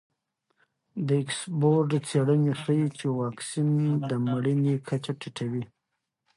د اکسفورډ څېړنې ښیي چې واکسین د مړینې کچه ټیټوي.